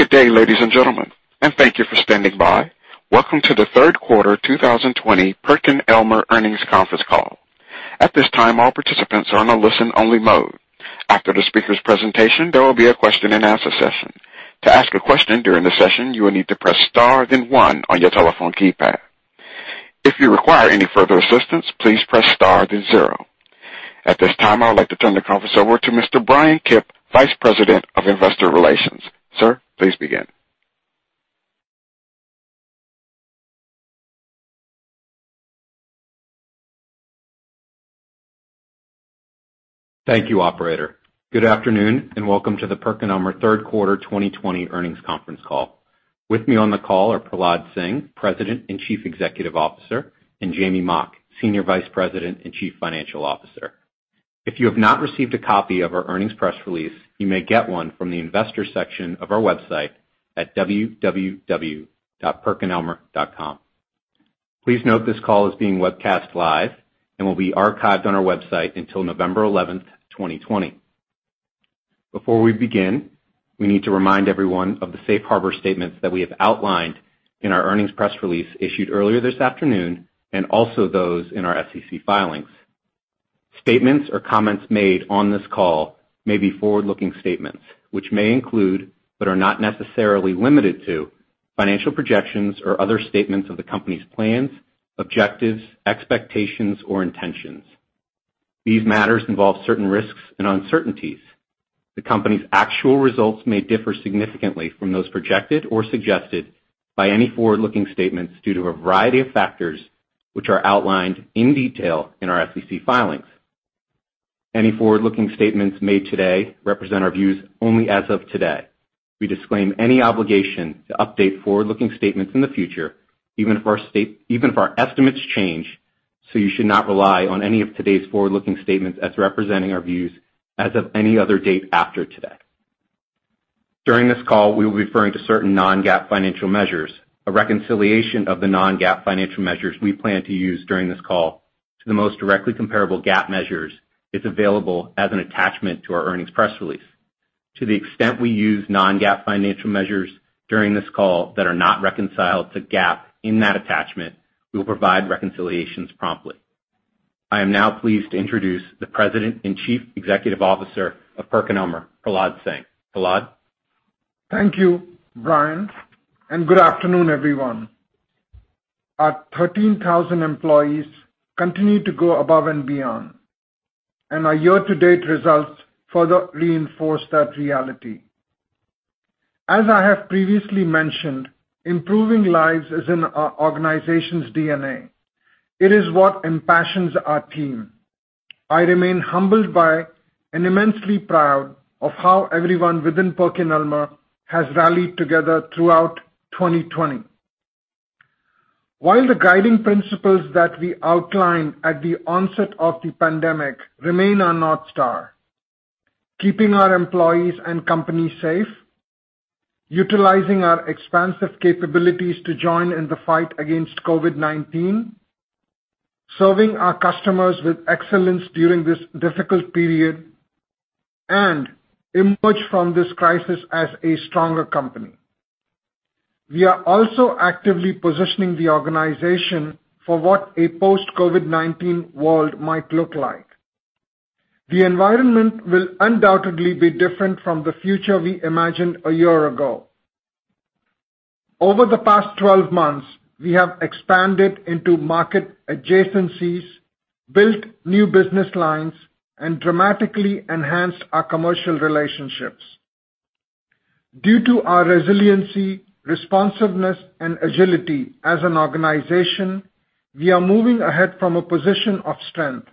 Good day, ladies and gentlemen. Thank you for standing by. Welcome to the Third Quarter 2020 PerkinElmer Earnings Conference Call. At this time, all participants are on a listen-only mode. After the speaker's presentation, there will be a question and answer session. To ask a question during the session, you will need to press star then one on your telephone keypad. If you require any further assistance, please press star then zero. At this time, I would like to turn the conference over to Mr. Bryan Kipp, Vice President of Investor Relations. Sir, please begin. Thank you, Operator. Good afternoon, welcome to the PerkinElmer Third Quarter 2020 Earnings Conference Call. With me on the call are Prahlad Singh, President and Chief Executive Officer, and Jamey Mock, Senior Vice President and Chief Financial Officer. If you have not received a copy of our earnings press release, you may get one from the investor section of our website at www.perkinelmer.com. Please note this call is being webcast live and will be archived on our website until November 11th, 2020. Before we begin, we need to remind everyone of the safe harbor statements that we have outlined in our earnings press release issued earlier this afternoon, and also those in our SEC filings. Statements or comments made on this call may be forward-looking statements, which may include, but are not necessarily limited to, financial projections or other statements of the company's plans, objectives, expectations, or intentions. These matters involve certain risks and uncertainties. The company's actual results may differ significantly from those projected or suggested by any forward-looking statements due to a variety of factors, which are outlined in detail in our SEC filings. Any forward-looking statements made today represent our views only as of today. We disclaim any obligation to update forward-looking statements in the future, even if our estimates change, so you should not rely on any of today's forward-looking statements as representing our views as of any other date after today. During this call, we will be referring to certain non-GAAP financial measures. A reconciliation of the non-GAAP financial measures we plan to use during this call to the most directly comparable GAAP measures is available as an attachment to our earnings press release. To the extent we use non-GAAP financial measures during this call that are not reconciled to GAAP in that attachment, we will provide reconciliations promptly. I am now pleased to introduce the President and Chief Executive Officer of PerkinElmer, Prahlad Singh. Prahlad? Thank you, Bryan, and good afternoon, everyone. Our 13,000 employees continue to go above and beyond, and our year-to-date results further reinforce that reality. As I have previously mentioned, improving lives is in our organization's DNA. It is what impassions our team. I remain humbled by and immensely proud of how everyone within PerkinElmer has rallied together throughout 2020. While the guiding principles that we outlined at the onset of the pandemic remain our North Star, keeping our employees and company safe, utilizing our expansive capabilities to join in the fight against COVID-19, serving our customers with excellence during this difficult period, and emerge from this crisis as a stronger company. We are also actively positioning the organization for what a post-COVID-19 world might look like. The environment will undoubtedly be different from the future we imagined a year ago. Over the past 12 months, we have expanded into market adjacencies, built new business lines, and dramatically enhanced our commercial relationships. Due to our resiliency, responsiveness, and agility as an organization, we are moving ahead from a position of strength.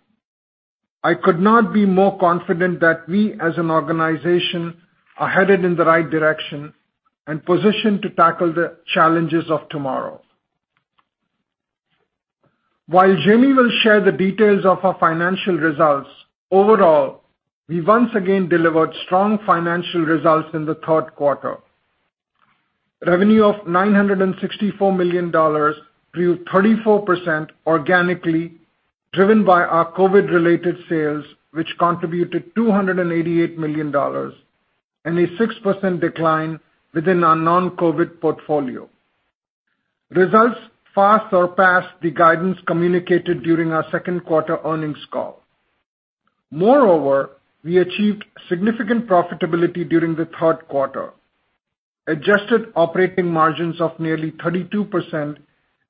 I could not be more confident that we, as an organization, are headed in the right direction and positioned to tackle the challenges of tomorrow. While Jamey will share the details of our financial results, overall, we once again delivered strong financial results in the third quarter. Revenue of $964 million grew 34% organically, driven by our COVID-related sales, which contributed $288 million, and a 6% decline within our non-COVID portfolio. Results far surpassed the guidance communicated during our second quarter earnings call. Moreover, we achieved significant profitability during the third quarter. Adjusted operating margins of nearly 32%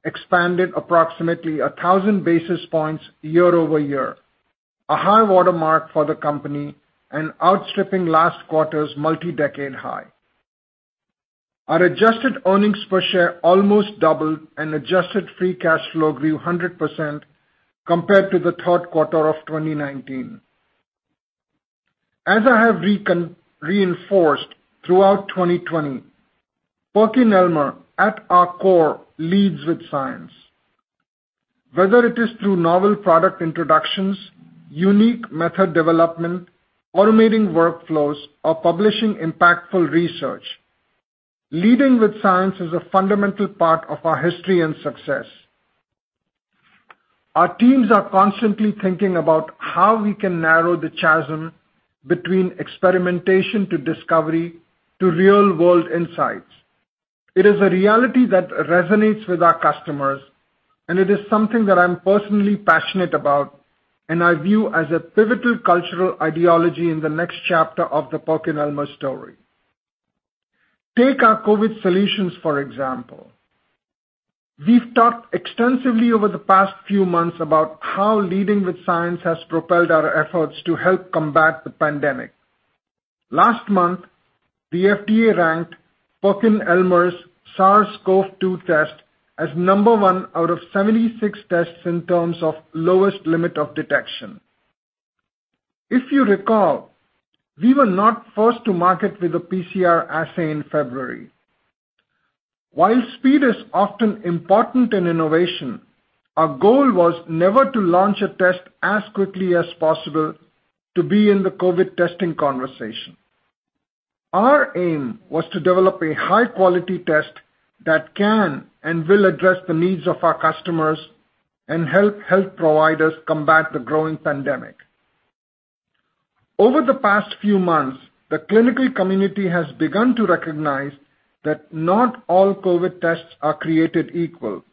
expanded approximately 1,000 basis points year-over-year, a high watermark for the company and outstripping last quarter's multi-decade high. Our adjusted earnings per share almost doubled, and adjusted free cash flow grew 100% compared to the third quarter of 2019. As I have reinforced throughout 2020, PerkinElmer, at our core, leads with science. Whether it is through novel product introductions, unique method development, automating workflows, or publishing impactful research, leading with science is a fundamental part of our history and success. Our teams are constantly thinking about how we can narrow the chasm between experimentation to discovery to real-world insights. It is a reality that resonates with our customers, and it is something that I'm personally passionate about, and I view as a pivotal cultural ideology in the next chapter of the PerkinElmer story. Take our COVID solutions, for example. We've talked extensively over the past few months about how leading with science has propelled our efforts to help combat the pandemic. Last month, the FDA ranked PerkinElmer's SARS-CoV-2 test as number one out of 76 tests in terms of lowest limit of detection. If you recall, we were not first to market with a PCR assay in February. While speed is often important in innovation, our goal was never to launch a test as quickly as possible to be in the COVID testing conversation. Our aim was to develop a high-quality test that can and will address the needs of our customers and help health providers combat the growing pandemic. Over the past few months, the clinical community has begun to recognize that not all COVID tests are created equal.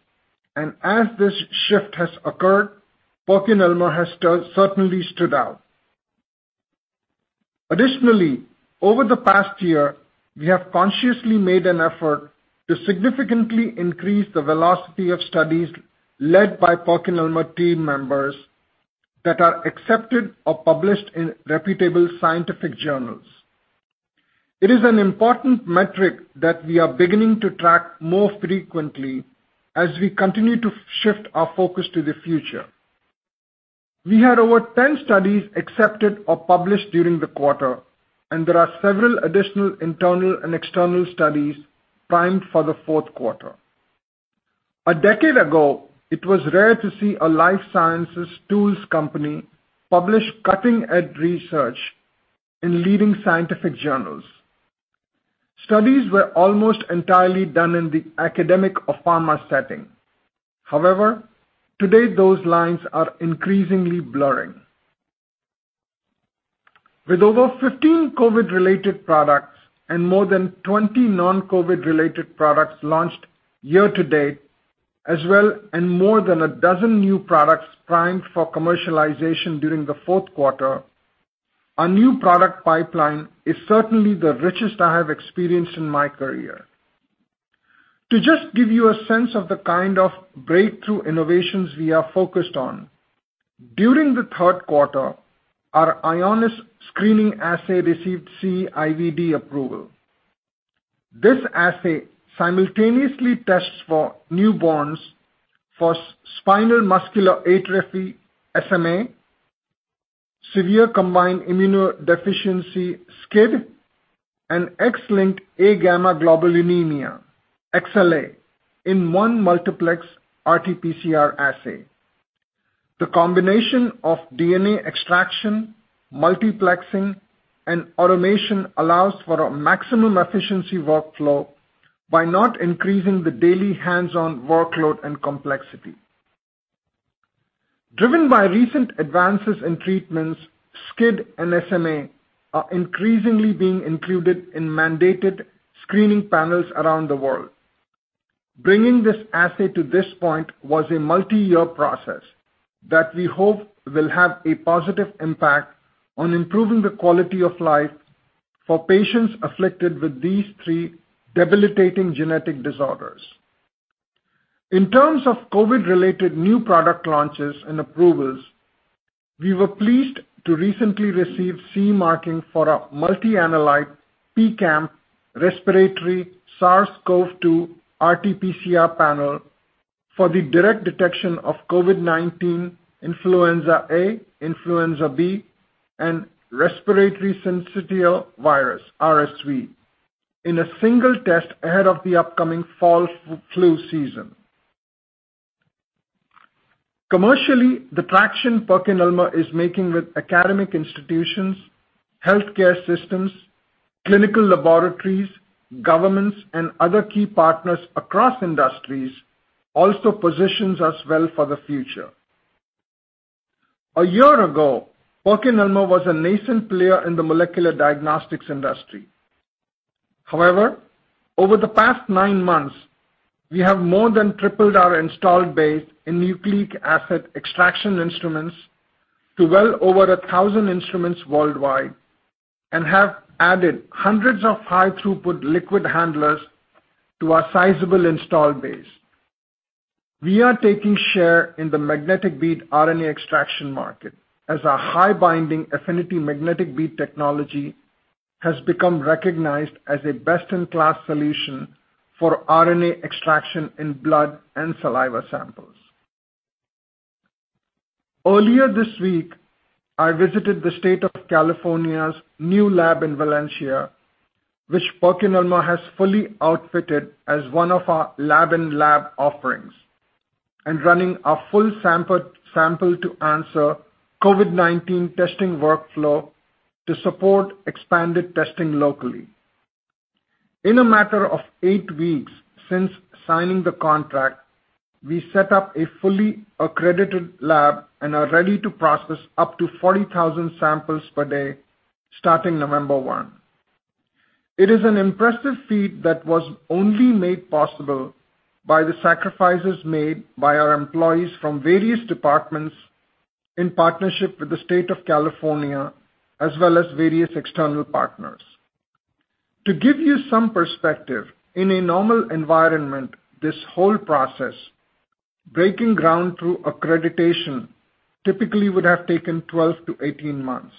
As this shift has occurred, PerkinElmer has certainly stood out. Additionally, over the past year, we have consciously made an effort to significantly increase the velocity of studies led by PerkinElmer team members that are accepted or published in reputable scientific journals. It is an important metric that we are beginning to track more frequently as we continue to shift our focus to the future. We had over 10 studies accepted or published during the quarter, and there are several additional internal and external studies primed for the fourth quarter. A decade ago, it was rare to see a life sciences tools company publish cutting-edge research in leading scientific journals. Studies were almost entirely done in the academic or pharma setting. Today those lines are increasingly blurring. With over 15 COVID-related products and more than 20 non-COVID-related products launched year-to-date, and more than a dozen new products primed for commercialization during the fourth quarter, our new product pipeline is certainly the richest I have experienced in my career. To just give you a sense of the kind of breakthrough innovations we are focused on, during the third quarter, our Ionis screening assay received CE IVD approval. This assay simultaneously tests for newborns for Spinal Muscular Atrophy, SMA, Severe Combined Immunodeficiency, SCID, and X-linked Agammaglobulinemia, XLA, in one multiplex RT-PCR assay. The combination of DNA extraction, multiplexing, and automation allows for a maximum efficiency workflow by not increasing the daily hands-on workload and complexity. Driven by recent advances in treatments, SCID and SMA are increasingly being included in mandated screening panels around the world. Bringing this assay to this point was a multi-year process that we hope will have a positive impact on improving the quality of life for patients afflicted with these three debilitating genetic disorders. In terms of COVID-related new product launches and approvals, we were pleased to recently receive CE marking for our multi-analyte PKamp respiratory SARS-CoV-2 RT-PCR panel for the direct detection of COVID-19, influenza A, influenza B, and Respiratory Syncytial Virus, RSV, in a single test ahead of the upcoming fall flu season. Commercially, the traction PerkinElmer is making with academic institutions, healthcare systems, clinical laboratories, governments, and other key partners across industries also positions us well for the future. A year ago, PerkinElmer was a nascent player in the molecular diagnostics industry. However, over the past nine months, we have more than tripled our installed base in nucleic acid extraction instruments to well over 1,000 instruments worldwide and have added hundreds of high-throughput liquid handlers to our sizable installed base. We are taking share in the magnetic bead RNA extraction market as our high-binding affinity magnetic bead technology has become recognized as a best-in-class solution for RNA extraction in blood and saliva samples. Earlier this week, I visited the state of California's new lab in Valencia, which PerkinElmer has fully outfitted as one of our lab-in-a-lab offerings and running a full sample to answer COVID-19 testing workflow to support expanded testing locally. In a matter of eight weeks since signing the contract, we set up a fully accredited lab and are ready to process up to 40,000 samples per day, starting November 1. It is an impressive feat that was only made possible by the sacrifices made by our employees from various departments in partnership with the State of California, as well as various external partners. To give you some perspective, in a normal environment, this whole process, breaking ground through accreditation, typically would have taken 12-18 months.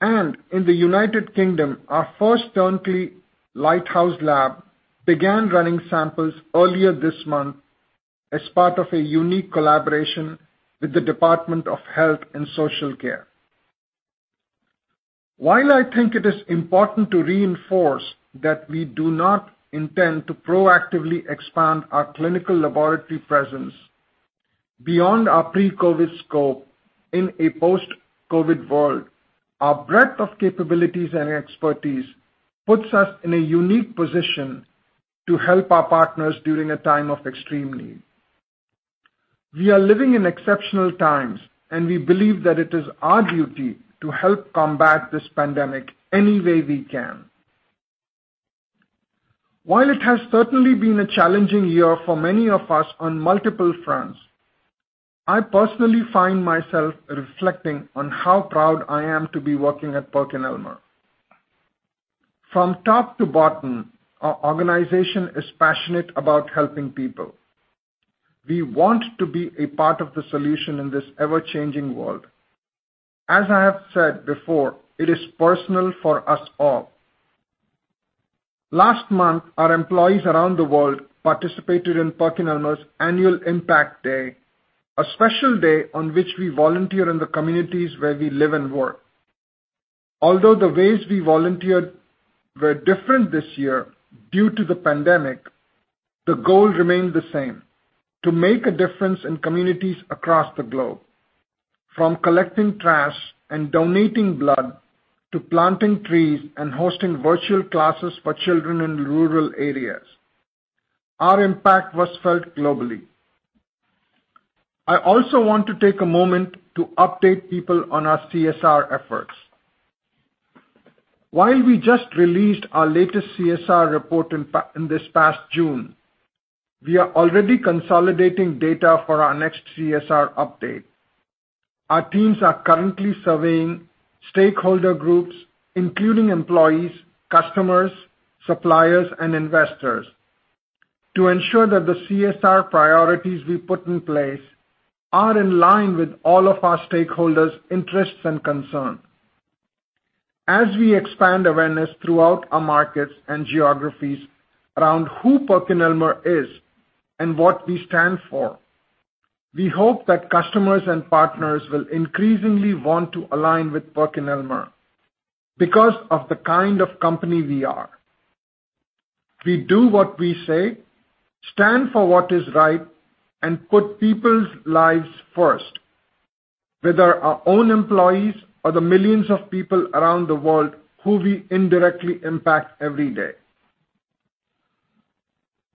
In the United Kingdom., our first Turnkey Lighthouse lab began running samples earlier this month as part of a unique collaboration with the Department of Health and Social Care. While I think it is important to reinforce that we do not intend to proactively expand our clinical laboratory presence beyond our pre-COVID scope in a post-COVID world, our breadth of capabilities and expertise puts us in a unique position to help our partners during a time of extreme need. We are living in exceptional times, and we believe that it is our duty to help combat this pandemic any way we can. While it has certainly been a challenging year for many of us on multiple fronts, I personally find myself reflecting on how proud I am to be working at PerkinElmer. From top to bottom, our organization is passionate about helping people. We want to be a part of the solution in this ever-changing world. As I have said before, it is personal for us all. Last month, our employees around the world participated in PerkinElmer's Annual Impact Day, a special day on which we volunteer in the communities where we live and work. Although the ways we volunteered were different this year due to the pandemic, the goal remained the same: to make a difference in communities across the globe. From collecting trash and donating blood, to planting trees and hosting virtual classes for children in rural areas, our impact was felt globally. I also want to take a moment to update people on our CSR efforts. While we just released our latest CSR report in this past June, we are already consolidating data for our next CSR update. Our teams are currently surveying stakeholder groups, including employees, customers, suppliers, and investors, to ensure that the CSR priorities we put in place are in line with all of our stakeholders' interests and concerns. As we expand awareness throughout our markets and geographies around who PerkinElmer is and what we stand for, we hope that customers and partners will increasingly want to align with PerkinElmer because of the kind of company we are. We do what we say, stand for what is right, and put people's lives first, whether our own employees or the millions of people around the world who we indirectly impact every day.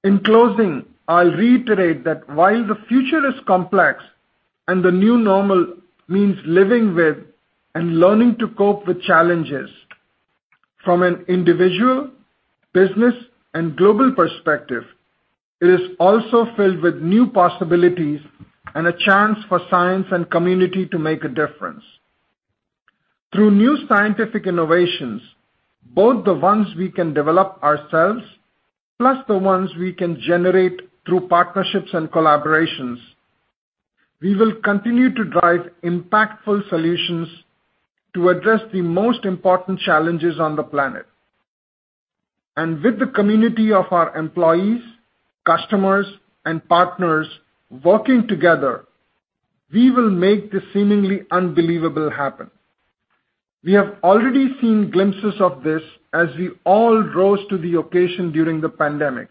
In closing, I'll reiterate that while the future is complex and the new normal means living with and learning to cope with challenges from an individual, business, and global perspective, it is also filled with new possibilities and a chance for science and community to make a difference. Through new scientific innovations, both the ones we can develop ourselves, plus the ones we can generate through partnerships and collaborations, we will continue to drive impactful solutions to address the most important challenges on the planet. With the community of our employees, customers, and partners working together, we will make the seemingly unbelievable happen. We have already seen glimpses of this as we all rose to the occasion during the pandemic.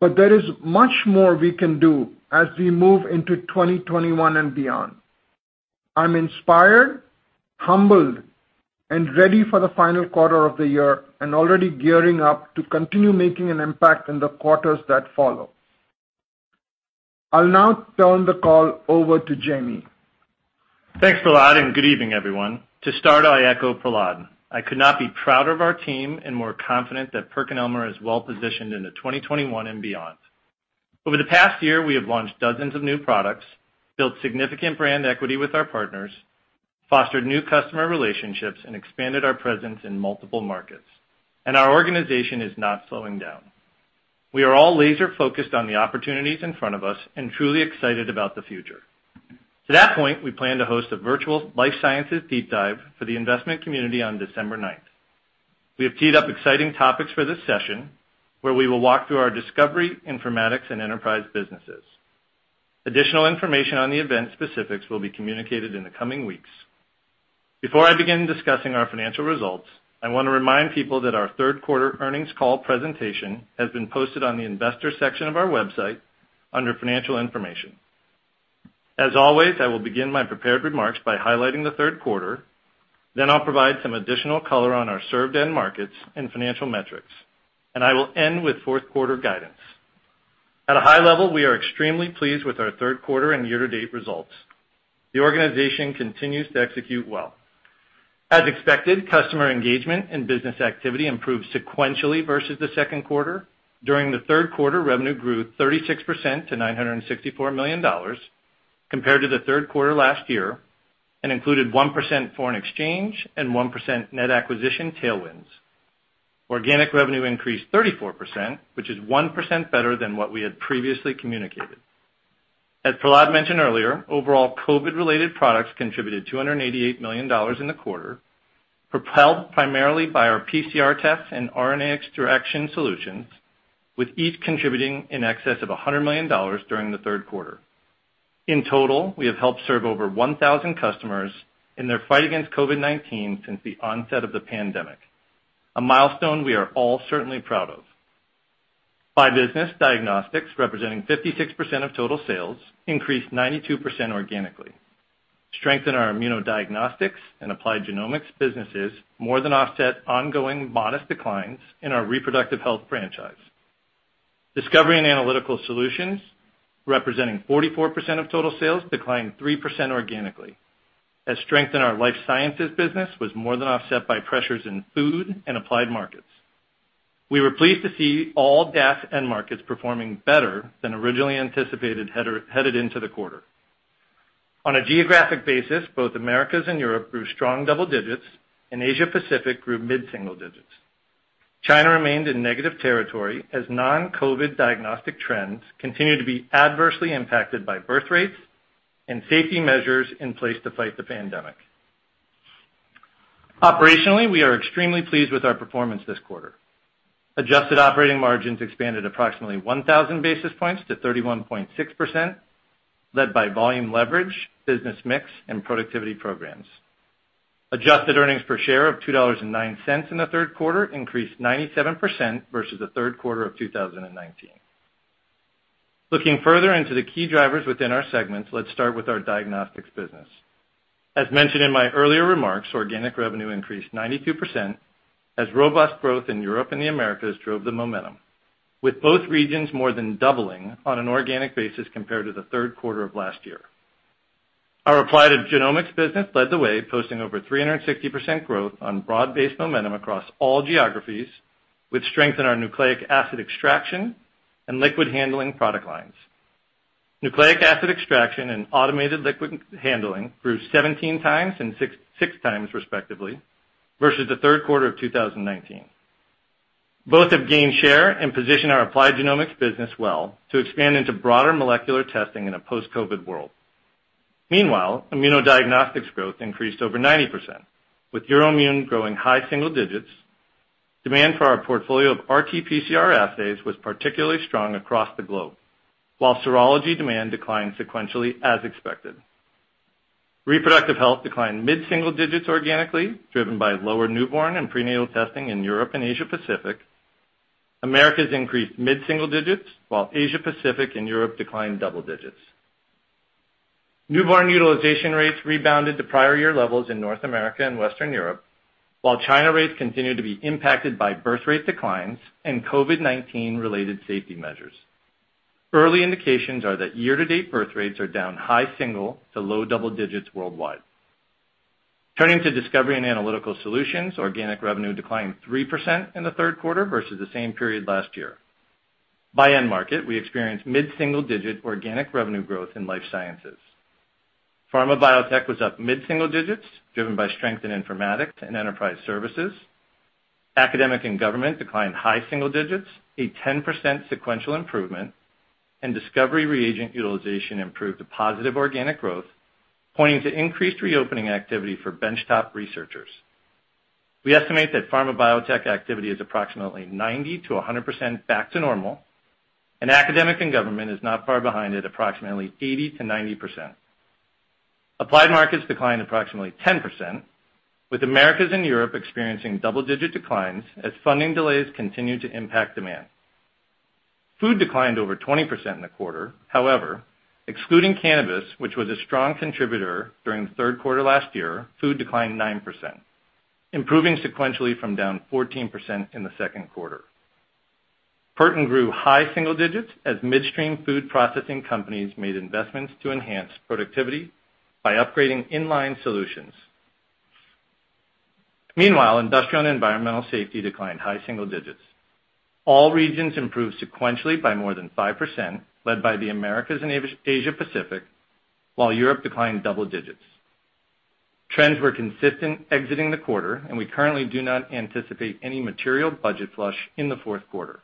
There is much more we can do as we move into 2021 and beyond. I'm inspired, humbled, and ready for the final quarter of the year, and already gearing up to continue making an impact in the quarters that follow. I'll now turn the call over to Jamey. Thanks, Prahlad. Good evening, everyone. To start, I echo Prahlad. I could not be prouder of our team and more confident that PerkinElmer is well-positioned into 2021 and beyond. Over the past year, we have launched dozens of new products, built significant brand equity with our partners, fostered new customer relationships, and expanded our presence in multiple markets. Our organization is not slowing down. We are all laser-focused on the opportunities in front of us and truly excited about the future. To that point, we plan to host a virtual life sciences deep dive for the investment community on December 9th. We have teed up exciting topics for this session, where we will walk through our discovery, informatics, and enterprise businesses. Additional information on the event specifics will be communicated in the coming weeks. Before I begin discussing our financial results, I want to remind people that our third quarter earnings call presentation has been posted on the investors section of our website under financial information. As always, I will begin my prepared remarks by highlighting the third quarter, I'll provide some additional color on our served end markets and financial metrics, I will end with fourth quarter guidance. At a high level, we are extremely pleased with our third quarter and year-to-date results. The organization continues to execute well. As expected, customer engagement and business activity improved sequentially versus the second quarter. During the third quarter, revenue grew 36% to $964 million compared to the third quarter last year, included 1% foreign exchange and 1% net acquisition tailwinds. Organic revenue increased 34%, which is 1% better than what we had previously communicated. As Prahlad mentioned earlier, overall COVID-19-related products contributed $288 million in the quarter, propelled primarily by our PCR tests and RNA extraction solutions, with each contributing in excess of $100 million during the third quarter. In total, we have helped serve over 1,000 customers in their fight against COVID-19 since the onset of the pandemic. A milestone we are all certainly proud of. By business, diagnostics, representing 56% of total sales, increased 92% organically. Strength in our immunodiagnostics and applied genomics businesses more than offset ongoing modest declines in our reproductive health franchise. Discovery & Analytical Solutions, representing 44% of total sales, declined 3% organically, as strength in our life sciences business was more than offset by pressures in food and applied markets. We were pleased to see all DAS end markets performing better than originally anticipated headed into the quarter. On a geographic basis, both Americas and Europe grew strong double digits, and Asia Pacific grew mid-single digits. China remained in negative territory as non-COVID diagnostic trends continue to be adversely impacted by birth rates and safety measures in place to fight the pandemic. Operationally, we are extremely pleased with our performance this quarter. Adjusted operating margins expanded approximately 1,000 basis points to 31.6%, led by volume leverage, business mix, and productivity programs. Adjusted earnings per share of $2.09 in the third quarter increased 97% versus the third quarter of 2019. Looking further into the key drivers within our segments, let's start with our diagnostics business. As mentioned in my earlier remarks, organic revenue increased 92% as robust growth in Europe and the Americas drove the momentum, with both regions more than doubling on an organic basis compared to the third quarter of last year. Our applied genomics business led the way, posting over 360% growth on broad-based momentum across all geographies, with strength in our nucleic acid extraction and liquid handling product lines. Nucleic acid extraction and automated liquid handling grew 17x and 6x respectively, versus the third quarter of 2019. Both have gained share and position our applied genomics business well to expand into broader molecular testing in a post-COVID-19 world. Meanwhile, immunodiagnostics growth increased over 90%, with Euroimmun growing high single digits. Demand for our portfolio of RT-PCR assays was particularly strong across the globe, while serology demand declined sequentially as expected. Reproductive health declined mid-single digits organically, driven by lower newborn and prenatal testing in Europe and Asia Pacific. Americas increased mid-single digits, while Asia Pacific and Europe declined double digits. Newborn utilization rates rebounded to prior-year levels in North America and Western Europe, while China rates continued to be impacted by birth rate declines and COVID-19-related safety measures. Early indications are that year-to-date birth rates are down high single to low double digits worldwide. Turning to Discovery & Analytical Solutions, organic revenue declined 3% in the third quarter versus the same period last year. By end market, we experienced mid-single digit organic revenue growth in life sciences. Pharma biotech was up mid-single digits, driven by strength in informatics and enterprise services. Academic and government declined high single digits, a 10% sequential improvement, and discovery reagent utilization improved to positive organic growth, pointing to increased reopening activity for bench-top researchers. We estimate that pharma biotech activity is approximately 90%-100% back to normal, and academic and government is not far behind at approximately 80%-90%. Applied markets declined approximately 10%, with Americas and Europe experiencing double-digit declines as funding delays continued to impact demand. Food declined over 20% in the quarter. However, excluding cannabis, which was a strong contributor during the third quarter last year, food declined 9%, improving sequentially from down 14% in the second quarter. Perten grew high single digits as midstream food processing companies made investments to enhance productivity by upgrading in-line solutions. Meanwhile, industrial and environmental safety declined high single digits. All regions improved sequentially by more than 5%, led by the Americas and Asia Pacific, while Europe declined double digits. Trends were consistent exiting the quarter, and we currently do not anticipate any material budget flush in the fourth quarter.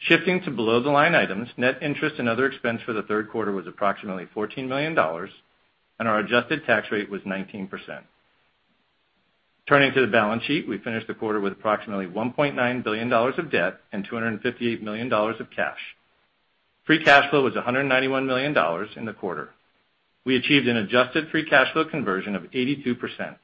Shifting to below the line items, net interest and other expense for the third quarter was approximately $14 million, and our adjusted tax rate was 19%. Turning to the balance sheet, we finished the quarter with approximately $1.9 billion of debt and $258 million of cash. Free cash flow was $191 million in the quarter. We achieved an adjusted free cash flow conversion of 82%.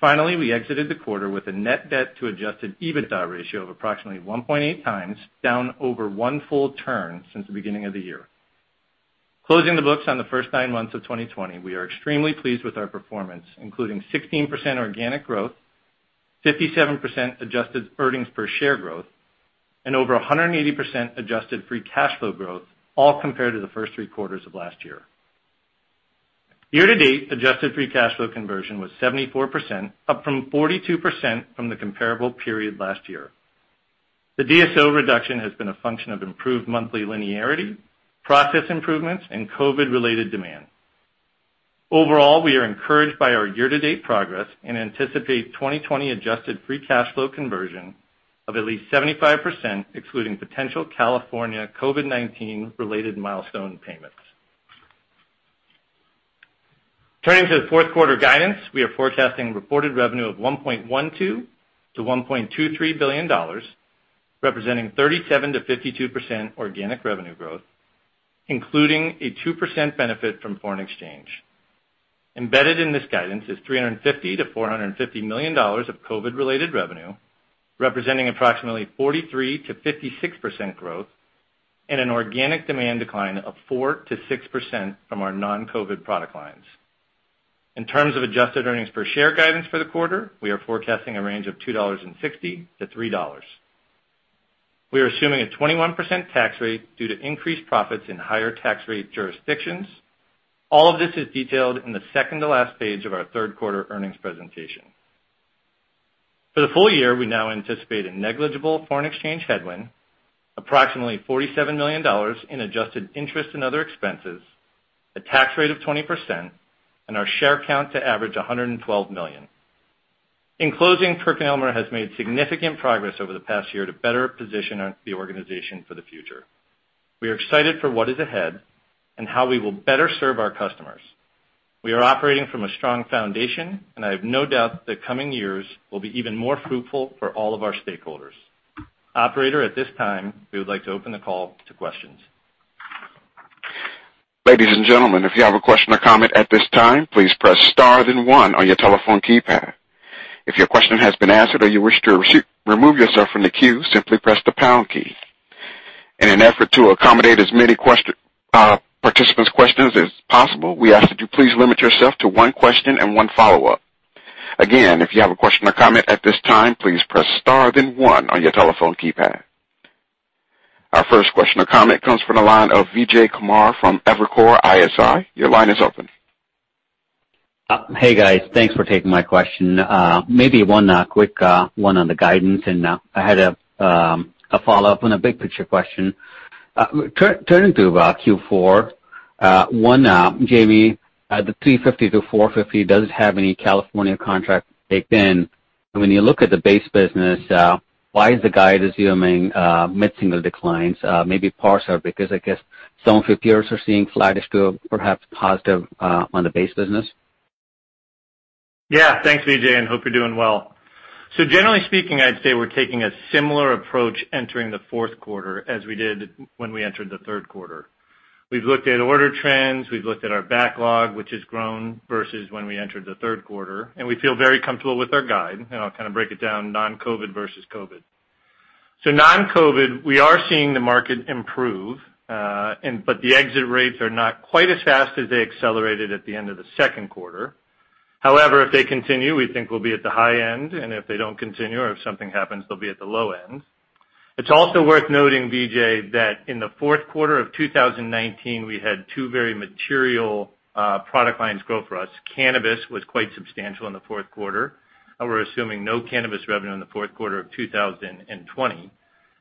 Finally, we exited the quarter with a net debt to adjusted EBITDA ratio of approximately 1.8x, down over one full turn since the beginning of the year. Closing the books on the first nine months of 2020, we are extremely pleased with our performance, including 16% organic growth, 57% adjusted earnings per share growth, and over 180% adjusted free cash flow growth, all compared to the first three quarters of last year. Year-to-date, adjusted free cash flow conversion was 74%, up from 42% from the comparable period last year. The DSO reduction has been a function of improved monthly linearity, process improvements, and COVID-related demand. Overall, we are encouraged by our year-to-date progress and anticipate 2020 adjusted free cash flow conversion of at least 75%, excluding potential California COVID-19 related milestone payments. Turning to the fourth quarter guidance, we are forecasting reported revenue of $1.12 billion-$1.23 billion, representing 37%-52% organic revenue growth, including a 2% benefit from foreign exchange. Embedded in this guidance is $350 million-$450 million of COVID-related revenue, representing approximately 43%-56% growth, and an organic demand decline of 4%-6% from our non-COVID product lines. In terms of adjusted earnings per share guidance for the quarter, we are forecasting a range of $2.60-$3. We are assuming a 21% tax rate due to increased profits in higher tax rate jurisdictions. All of this is detailed in the second to last page of our third quarter earnings presentation. For the full year, we now anticipate a negligible foreign exchange headwind, approximately $47 million in adjusted interest and other expenses, a tax rate of 20%, and our share count to average 112 million. In closing, PerkinElmer has made significant progress over the past yearto better position the organization for the future. We are excited for what is ahead and how we will better serve our customers. We are operating from a strong foundation, and I have no doubt the coming years will be even more fruitful for all of our stakeholders. Operator, at this time, we would like to open the call to questions. Ladies and gentlemen, if you have a question or comment at this time, please press star then one on your telephone keypad. If your question has been answered or you wish to remove yourself from the queue, simply press the pound key. In an effort to accommodate as many participant's questions as possible, we ask that you please limit yourself to one question and one follow-up. Again, if you have a question or comment at this time, please press star then one on your telephone keypad. Our first question or comment comes from the line of Vijay Kumar from Evercore ISI. Your line is open. Hey, guys. Thanks for taking my question. Maybe one quick one on the guidance, and I had a follow-up on a big picture question. Turning to Q4, one, Jamey, the $350 million-$450 million, does it have any California contract baked in? When you look at the base business, why is the guide assuming mid-single declines, maybe partial? I guess some of your peers are seeing flattish to perhaps positive on the base business. Yeah. Thanks, Vijay, and hope you're doing well. Generally speaking, I'd say we're taking a similar approach entering the fourth quarter as we did when we entered the third quarter. We've looked at order trends, we've looked at our backlog, which has grown versus when we entered the third quarter, and we feel very comfortable with our guide, and I'll kind of break it down non-COVID versus COVID. Non-COVID, we are seeing the market improve, but the exit rates are not quite as fast as they accelerated at the end of the second quarter. However, if they continue, we think we'll be at the high end, and if they don't continue or if something happens, they'll be at the low end. It's also worth noting, Vijay, that in the fourth quarter of 2019, we had two very material product lines grow for us. Cannabis was quite substantial in the fourth quarter. We're assuming no cannabis revenue in the fourth quarter of 2020.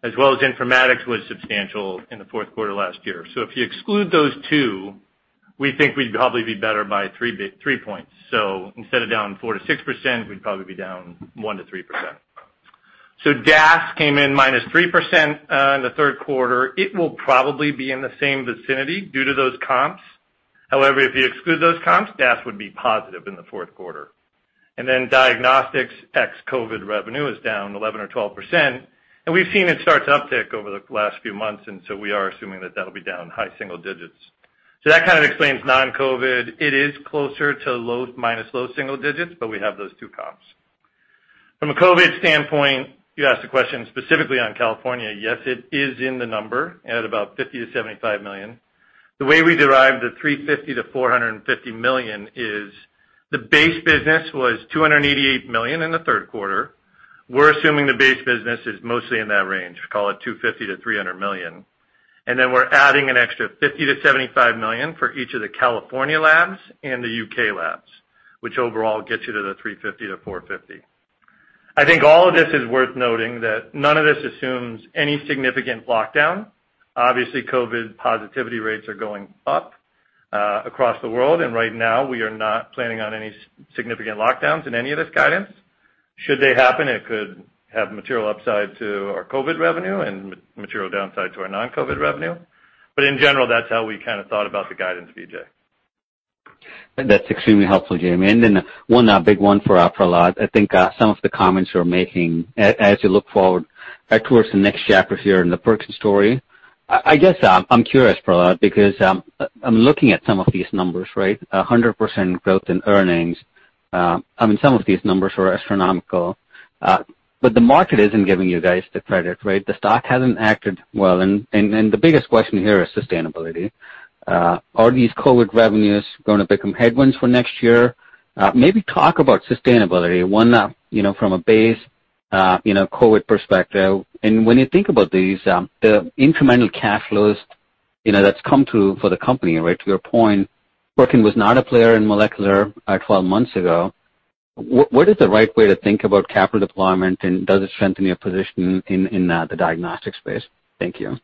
As well as informatics was substantial in the fourth quarter last year. If you exclude those two, we think we'd probably be better by three points. Instead of down 4%-6%, we'd probably be down 1%-3%. DAS came in -3% in the third quarter. It will probably be in the same vicinity due to those comps. However, if you exclude those comps, DAS would be positive in the fourth quarter. Diagnostics ex-COVID revenue is down 11% or 12%, we've seen it start to uptick over the last few months, we are assuming that that'll be down high single digits. That kind of explains non-COVID. It is closer to minus low single digits, we have those two comps. From a COVID standpoint, you asked a question specifically on California. Yes, it is in the number at about $50 million-$75 million. The way we derived the $350 million-$450 million is the base business was $288 million in the third quarter. We're assuming the base business is mostly in that range. Call it $250 million-$300 million. Then we're adding an extra $50 million-$75 million for each of the California labs and the U.K. labs, which overall gets you to the $350 million-$450 million. I think all of this is worth noting that none of this assumes any significant lockdown. Obviously, COVID positivity rates are going up across the world. Right now, we are not planning on any significant lockdowns in any of this guidance. Should they happen, it could have material upside to our COVID revenue and material downside to our non-COVID revenue. In general, that's how we kind of thought about the guidance, Vijay. That's extremely helpful, Jamey. Then one big one for Prahlad. I think some of the comments you're making as you look forward towards the next chapter here in the PerkinElmer story. I guess I'm curious, Prahlad, because I'm looking at some of these numbers. 100% growth in earnings. Some of these numbers were astronomical, the market isn't giving you guys the credit. The stock hasn't acted well, the biggest question here is sustainability. Are these COVID revenues going to become headwinds for next year? Maybe talk about sustainability, one, from a base COVID perspective, when you think about these, the incremental cash flows that's come through for the company. To your point, PerkinElmer was not a player in molecular 12 months ago. What is the right way to think about capital deployment, does it strengthen your position in the diagnostic space? Thank you.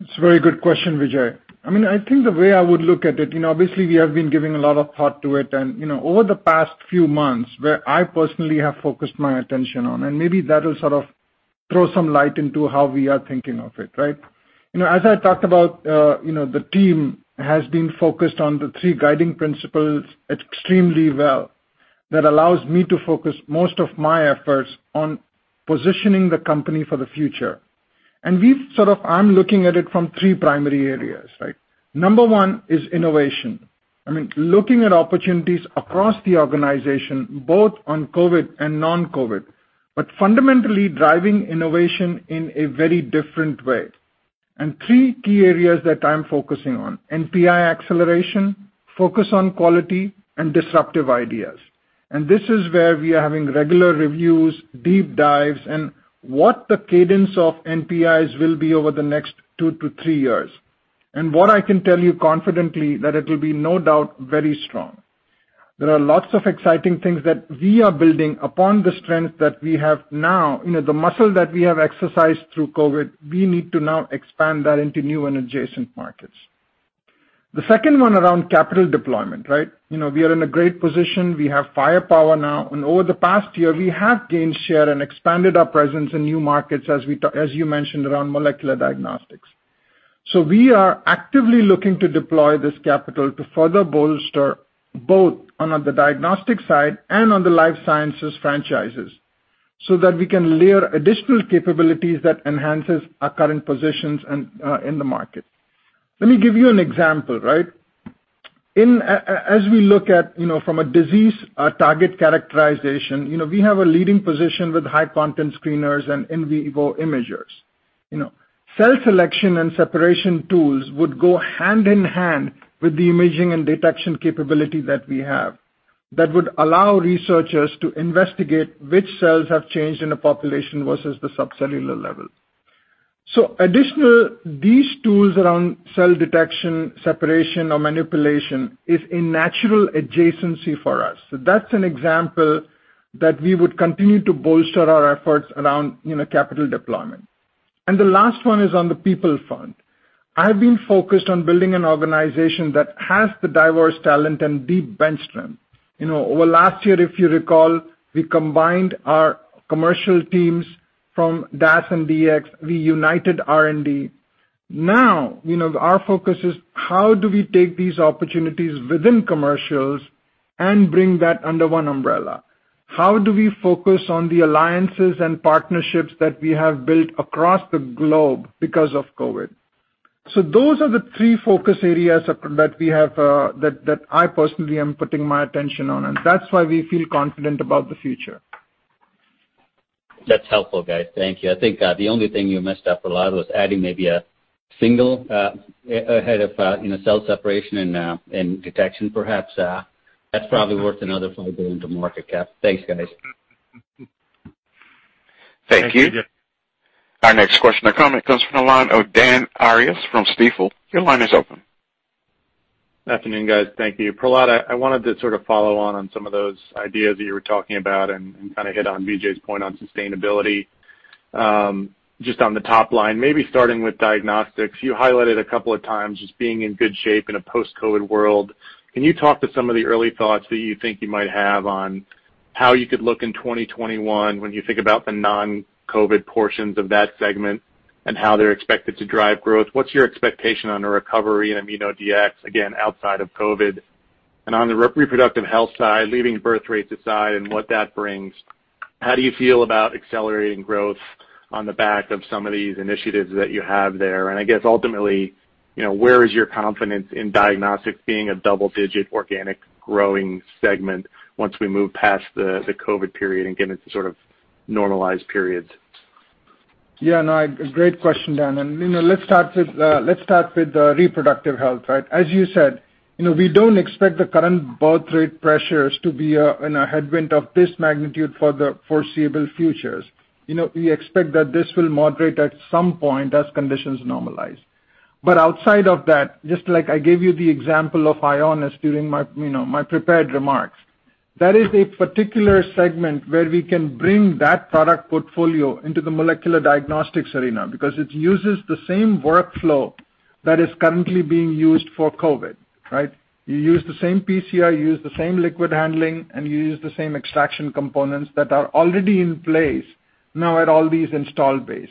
It's a very good question, Vijay. I think the way I would look at it, obviously, we have been giving a lot of thought to it, over the past few months, where I personally have focused my attention on, and maybe that'll sort of throw some light into how we are thinking of it. As I talked about the team has been focused on the three guiding principles extremely well that allows me to focus most of my efforts on positioning the company for the future. I'm looking at it from three primary areas. Number one is innovation. Looking at opportunities across the organization, both on COVID and non-COVID, but fundamentally driving innovation in a very different way. Three key areas that I'm focusing on, NPI acceleration, focus on quality, and disruptive ideas. This is where we are having regular reviews, deep dives, and what the cadence of NPIs will be over the next two to three years. What I can tell you confidently, that it'll be, no doubt, very strong. There are lots of exciting things that we are building upon the strengths that we have now. The muscle that we have exercised through COVID, we need to now expand that into new and adjacent markets. The second one around capital deployment. We are in a great position. We have firepower now, and over the past year, we have gained share and expanded our presence in new markets, as you mentioned, around molecular diagnostics. We are actively looking to deploy this capital to further bolster both on the diagnostic side and on the life sciences franchises so that we can layer additional capabilities that enhances our current positions in the market. Let me give you an example. As we look at from a disease target characterization, we have a leading position with high content screeners and in vivo imagers. Cell selection and separation tools would go hand in hand with the imaging and detection capability that we have that would allow researchers to investigate which cells have changed in a population versus the subcellular level. Additional, these tools around cell detection, separation, or manipulation is a natural adjacency for us. That's an example that we would continue to bolster our efforts around capital deployment. The last one is on the people front. I've been focused on building an organization that has the diverse talent and deep bench strength. Over last year, if you recall, we combined our commercial teams from DAS and DX. We united R&D. Now, our focus is how do we take these opportunities within commercials and bring that under one umbrella. How do we focus on the alliances and partnerships that we have built across the globe because of COVID-19? Those are the three focus areas that I personally am putting my attention on, and that's why we feel confident about the future. That's helpful, guys. Thank you. I think the only thing you missed out, Prahlad, was adding maybe a single ahead of cell separation and detection perhaps. That's probably worth another $5 billion to market cap. Thanks, guys. Thank you. Thank you. Our next question or comment comes from the line of Dan Arias from Stifel. Your line is open. Afternoon, guys. Thank you. Prahlad, I wanted to sort of follow on some of those ideas that you were talking about and kind of hit on Vijay's point on sustainability. Just on the top line, maybe starting with diagnostics, you highlighted a couple of times just being in good shape in a post-COVID world. Can you talk to some of the early thoughts that you think you might have on how you could look in 2021 when you think about the non-COVID portions of that segment and how they're expected to drive growth? What's your expectation on a recovery in ImmunoDx, again, outside of COVID? On the reproductive health side, leaving birth rates aside and what that brings, how do you feel about accelerating growth on the back of some of these initiatives that you have there? I guess ultimately, where is your confidence in diagnostics being a double-digit organic growing segment once we move past the COVID period and get into sort of normalized periods? Yeah, no, a great question, Dan. Let's start with reproductive health. As you said, we don't expect the current birth rate pressures to be in a headwind of this magnitude for the foreseeable futures. We expect that this will moderate at some point as conditions normalize. Outside of that, just like I gave you the example of Ionis during my prepared remarks, that is a particular segment where we can bring that product portfolio into the molecular diagnostics arena because it uses the same workflow that is currently being used for COVID. You use the same PCR, you use the same liquid handling, and you use the same extraction components that are already in place now at all these installed base.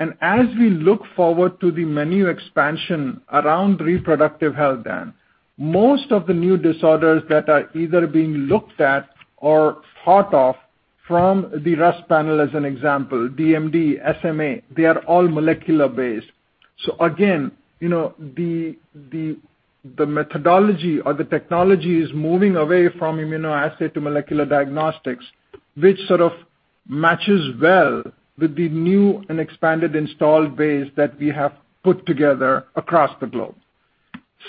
As we look forward to the menu expansion around reproductive health, Dan, most of the new disorders that are either being looked at or thought of from the RUSP panel, as an example, DMD, SMA, they are all molecular based. The methodology or the technology is moving away from immunoassay to molecular diagnostics, which sort of matches well with the new and expanded installed base that we have put together across the globe.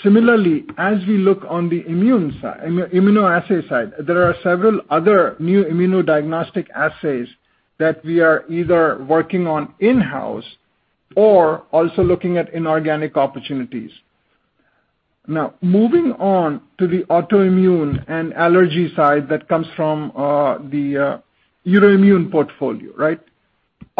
Similarly, as we look on the immunoassay side, there are several other new immunodiagnostic assays that we are either working on in-house or also looking at inorganic opportunities. Moving on to the autoimmune and allergy side that comes from the Euroimmun portfolio.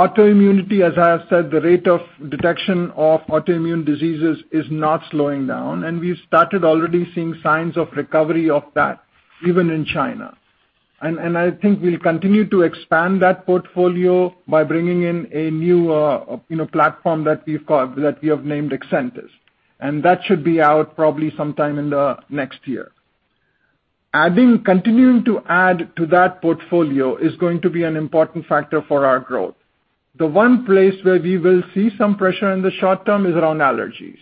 Autoimmunity, as I have said, the rate of detection of autoimmune diseases is not slowing down, and we've started already seeing signs of recovery of that even in China. I think we'll continue to expand that portfolio by bringing in a new platform that we have named Accentis. That should be out probably sometime in the next year. Continuing to add to that portfolio is going to be an important factor for our growth. The one place where we will see some pressure in the short term is around allergies.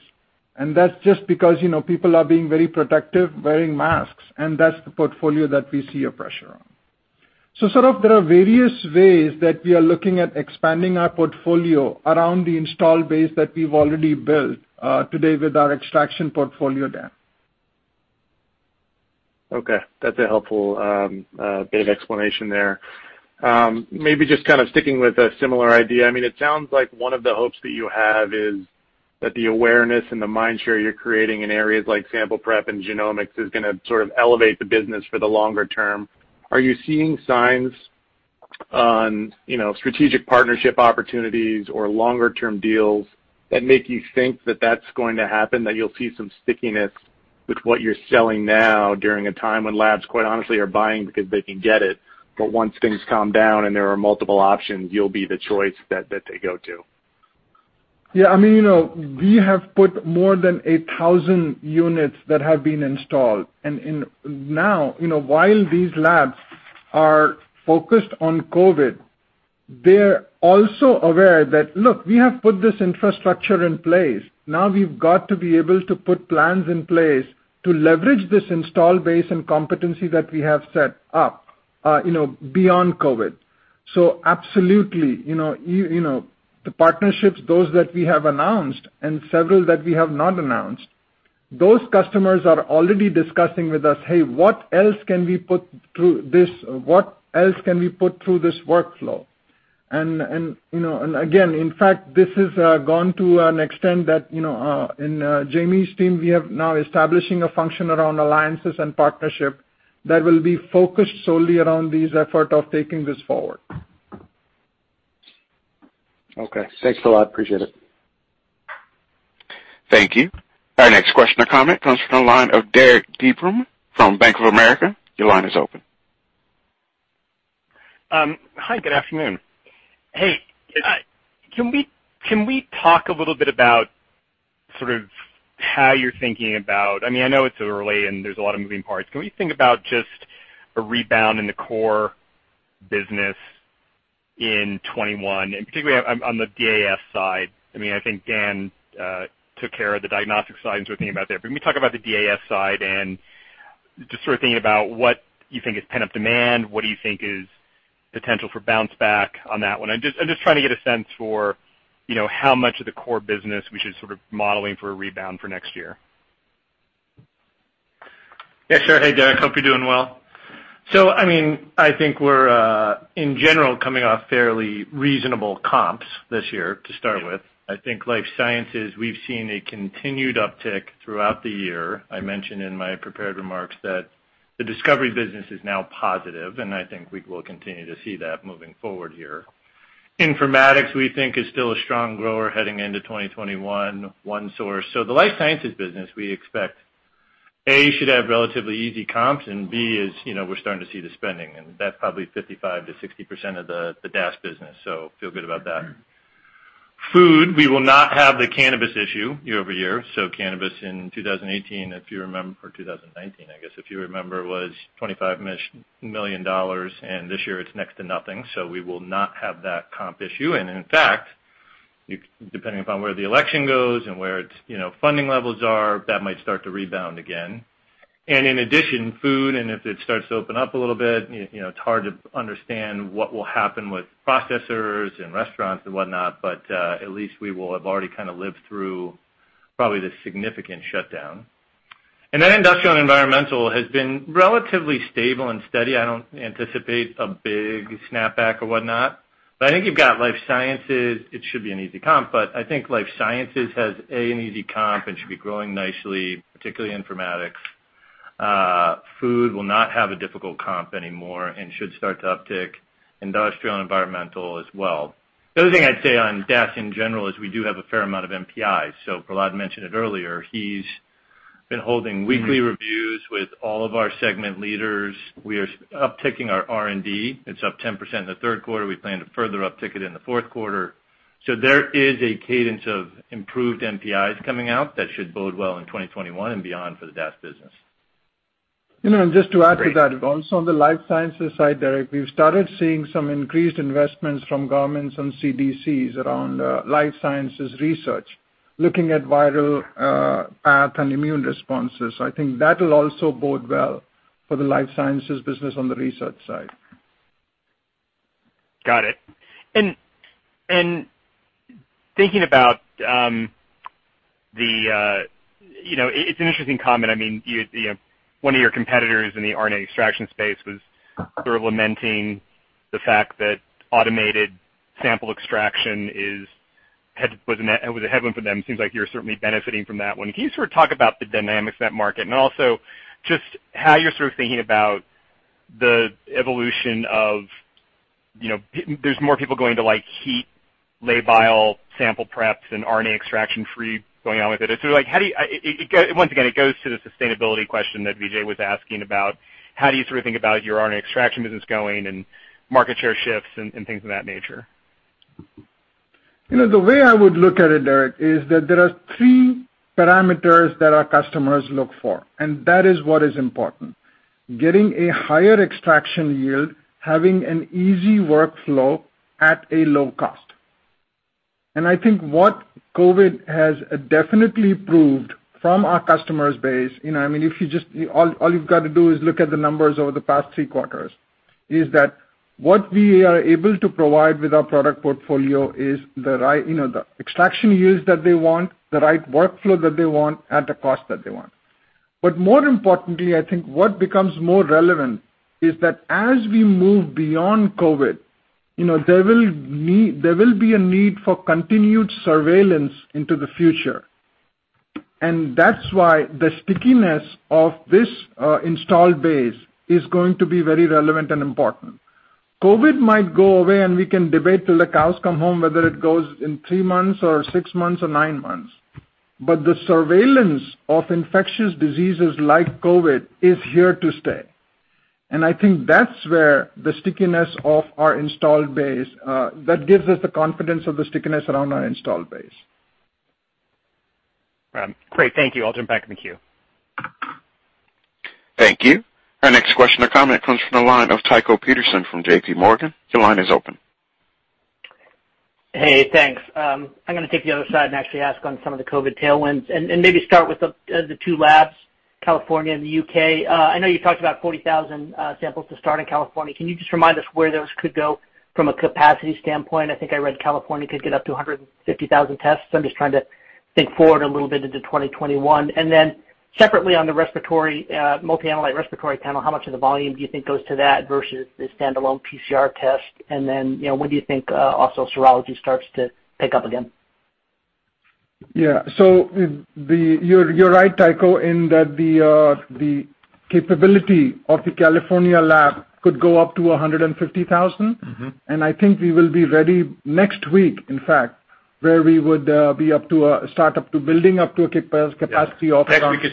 That's just because people are being very protective, wearing masks, and that's the portfolio that we see a pressure on. sort of, there are various ways that we are looking at expanding our portfolio around the installed base that we've already built today with our extraction portfolio there. That's a helpful bit of explanation there. Maybe just kind of sticking with a similar idea. It sounds like one of the hopes that you have is that the awareness and the mind share you're creating in areas like sample prep and genomics is going to sort of elevate the business for the longer term. Are you seeing signs on strategic partnership opportunities or longer-term deals that make you think that that's going to happen, that you'll see some stickiness with what you're selling now during a time when labs, quite honestly, are buying because they can get it, but once things calm down and there are multiple options, you'll be the choice that they go to? Yeah. We have put more than 1,000 units that have been installed. Now, while these labs are focused on COVID, they're also aware that, look, we have put this infrastructure in place. Now we've got to be able to put plans in place to leverage this install base and competency that we have set up beyond COVID. Absolutely, the partnerships, those that we have announced and several that we have not announced, those customers are already discussing with us, "Hey, what else can we put through this workflow?" Again, in fact, this has gone to an extent that in Jamey's team, we have now establishing a function around alliances and partnership that will be focused solely around these effort of taking this forward. Okay. Thanks a lot. Appreciate it. Thank you. Our next question or comment comes from the line of Derik De Bruin from Bank of America. Your line is open. Hi, good afternoon. Hi. Can we talk a little bit about sort of how you're thinking about I know it's early and there's a lot of moving parts. Can we think about just a rebound in the core business in 2021, and particularly on the DAS side? I think Dan took care of the diagnostic side and sort of think about that. Can we talk about the DAS side and just sort of thinking about what you think is pent-up demand, what do you think is potential for bounce back on that one? I'm just trying to get a sense for how much of the core business we should sort of modeling for a rebound for next year. Yeah, sure. Hey, Derik. Hope you're doing well. I think we're, in general, coming off fairly reasonable comps this year to start with. I think life sciences, we've seen a continued uptick throughout the year. I mentioned in my prepared remarks that the Discovery business is now positive, and I think we will continue to see that moving forward here. Informatics, we think, is still a strong grower heading into 2021, OneSource. The life sciences business, we expect, A, should have relatively easy comps, and B is we're starting to see the spending, and that's probably 55%-60% of the DAS business. Feel good about that. Food, we will not have the cannabis issue year-over-year. Cannabis in 2018, if you remember, or 2019, I guess, if you remember, was $25 million, and this year it's next to nothing, so we will not have that comp issue. In addition, food, and if it starts to open up a little bit, it's hard to understand what will happen with processors and restaurants and whatnot, but at least we will have already kind of lived through probably the significant shutdown. Then industrial and environmental has been relatively stable and steady. I don't anticipate a big snapback or whatnot. I think you've got life sciences, it should be an easy comp, but I think life sciences has, A, an easy comp and should be growing nicely, particularly informatics. Food will not have a difficult comp anymore and should start to uptick. Industrial and environmental as well. The other thing I'd say on DAS in general is we do have a fair amount of NPIs. Prahlad mentioned it earlier. He's been holding weekly reviews with all of our segment leaders. We are upticking our R&D. It's up 10% in the third quarter. We plan to further uptick it in the fourth quarter. There is a cadence of improved NPIs coming out that should bode well in 2021 and beyond for the DAS business. Just to add to that, also on the life sciences side, Derik, we've started seeing some increased investments from governments and CDCs around life sciences research, looking at viral path and immune responses. I think that'll also bode well for the life sciences business on the research side. Got it. It's an interesting comment. One of your competitors in the RNA extraction space was sort of lamenting the fact that automated sample extraction was a headwind for them. It seems like you're certainly benefiting from that one. Can you sort of talk about the dynamics of that market, and also just how you're sort of thinking about the evolution of, there's more people going to heat-labile sample preps, and RNA extraction-free going on with it. Like, once again, it goes to the sustainability question that Vijay was asking about, how do you sort of think about your RNA extraction business going and market share shifts and things of that nature? The way I would look at it, Derik, is that there are three parameters that our customers look for, that is what is important. Getting a higher extraction yield, having an easy workflow at a low cost. I think what COVID has definitely proved from our customers base, all you've got to do is look at the numbers over the past three quarters, is that what we are able to provide with our product portfolio is the extraction yields that they want, the right workflow that they want, at the cost that they want. More importantly, I think what becomes more relevant is that as we move beyond COVID, there will be a need for continued surveillance into the future. That's why the stickiness of this install base is going to be very relevant and important. COVID might go away, and we can debate till the cows come home, whether it goes in three months or six months or nine months. The surveillance of infectious diseases like COVID is here to stay. I think that's where the stickiness of our installed base, that gives us the confidence of the stickiness around our installed base. Great. Thank you. I'll jump back in the queue. Thank you. Our next question or comment comes from the line of Tycho Peterson from JPMorgan. Your line is open. Hey, thanks. I'm going to take the other side and actually ask on some of the COVID-19 tailwinds, and maybe start with the two labs, California and the U.K. I know you talked about 40,000 samples to start in California. Can you just remind us where those could go from a capacity standpoint? I think I read California could get up to 150,000 tests. I'm just trying to think forward a little bit into 2021. Separately on the respiratory, multi-analyte respiratory panel, how much of the volume do you think goes to that versus the standalone PCR test? When do you think also serology starts to pick up again? You're right, Tycho, in that the capability of the California lab could go up to 150,000. I think we will be ready next week, in fact, where we would be up to a start up to building up to a capacity of around 40,000. Next week is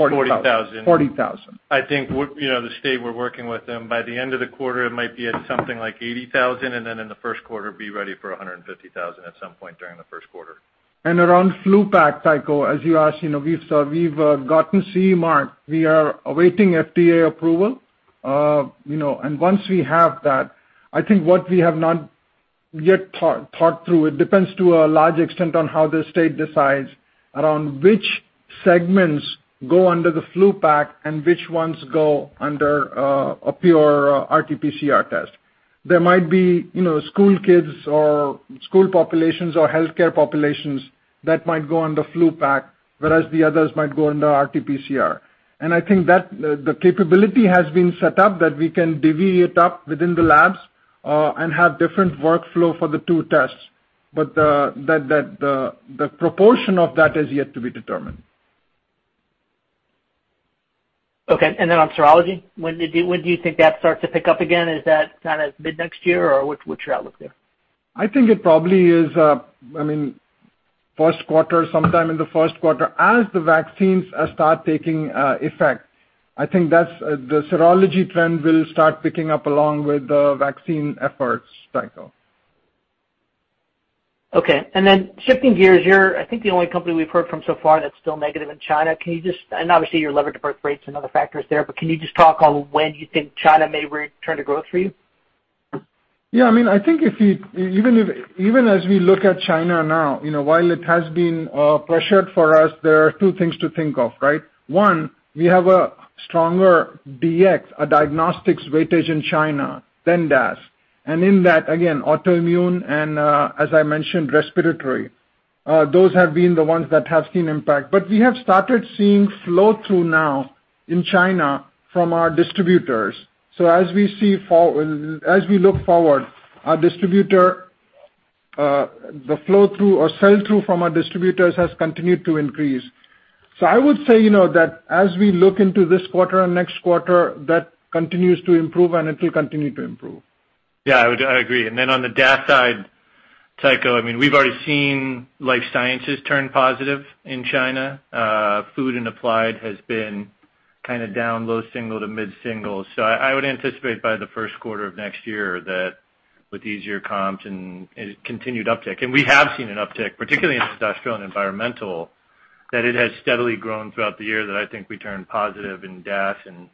40,000. 40,000. I think the state we're working with them, by the end of the quarter, it might be at something like 80,000, and then in the first quarter, be ready for 150,000 at some point during the first quarter. Around FluPlex, Tycho, as you asked, we've gotten CE mark. We are awaiting FDA approval. Once we have that, I think what we have not yet thought through, it depends to a large extent on how the state decides around which segments go under the FluPlex and which ones go under a pure RT-PCR test. There might be school kids or school populations or healthcare populations that might go under FluPlex, whereas the others might go under RT-PCR. I think that the capability has been set up that we can divvy it up within the labs, and have different workflow for the two tests. The proportion of that is yet to be determined. Okay. Then on serology, when do you think that starts to pick up again? Is that kind of mid-next year, or what's your outlook there? I think it probably is first quarter, sometime in the first quarter as the vaccines start taking effect. I think that's the serology trend will start picking up along with the vaccine efforts, Tycho. Okay. Shifting gears, you're I think the only company we've heard from so far that's still negative in China. Can you just, and obviously you're levered to birth rates and other factors there, but can you just talk on when you think China may return to growth for you? I think even as we look at China now, while it has been pressured for us, there are two things to think of, right? One, we have a stronger DX, a diagnostics weightage in China than DAS. In that, again, autoimmune and, as I mentioned, respiratory. Those have been the ones that have seen impact. We have started seeing flow-through now in China from our distributors. As we look forward, our distributor, the flow-through or sell-through from our distributors has continued to increase. I would say that as we look into this quarter and next quarter, that continues to improve, and it will continue to improve. Yeah, I agree. On the DAS side, Tycho, we've already seen life sciences turn positive in China. Food and applied has been kind of down low single to mid single. I would anticipate by the first quarter of next year that with easier comps and continued uptick, and we have seen an uptick, particularly in industrial and environmental, that it has steadily grown throughout the year, that I think we turn positive in DAS, and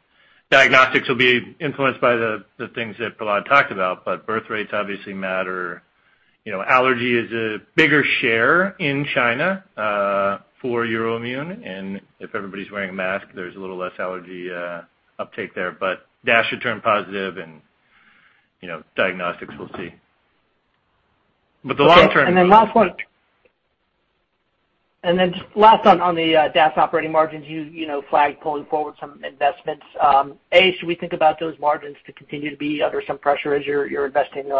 diagnostics will be influenced by the things that Prahlad talked about, but birth rates obviously matter. Allergy is a bigger share in China for Euroimmun, and if everybody's wearing a mask, there's a little less allergy uptake there. DAS should turn positive and diagnostics we'll see. Okay. Last one on the DAS operating margins, you flagged pulling forward some investments. Should we think about those margins to continue to be under some pressure as you're investing